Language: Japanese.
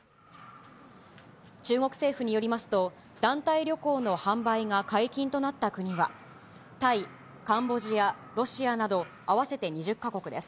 中国政府によりますと、団体旅行の販売が解禁となった国は、タイ、カンボジア、ロシアなど合わせて２０か国です。